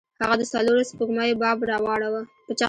هغه د څلورو سپوږمیو باب راواړوه.